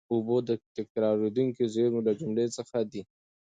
اوبه د تکرارېدونکو زېرمونو له جملې څخه دي.